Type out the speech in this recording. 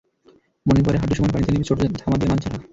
মনে পড়ে হাঁটু সমান পানিতে নেমে ছোট্ট ধামা দিয়ে মাছ ধরা।